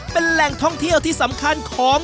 เป็นแหล่งท่องเที่ยวที่สำคัญของ